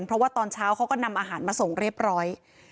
เพราะว่าตอนเช้าเขาก็นำอาหารมาส่งเรียบร้อย